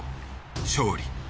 勝利。